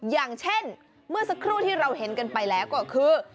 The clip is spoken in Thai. อย่างเช่นเมื่อสักครู่ที่เราเห็นกันไปแล้วก็คือ